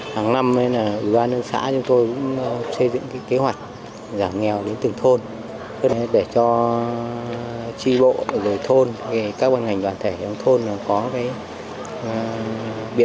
xã xuân vân huyện yên sơn tỉnh tuyên quang đang trong lộ trình xây dựng nông thôn mới